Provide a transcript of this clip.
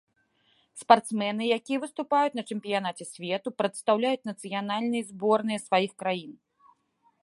Спартсмены, якія выступаюць на чэмпіянаце свету, прадстаўляюць нацыянальныя зборныя сваіх краін.